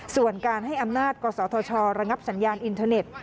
ส่วนการให้อำนาจกศธชระงับสัญญาณอินเทอร์เน็ต